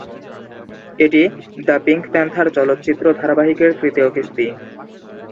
এটি "the Pink Panther" চলচ্চিত্র ধারাবাহিকের তৃতীয় কিস্তি।